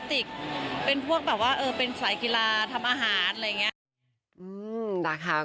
ตาเหมือนเดิมเขาทำยังไงเนาะ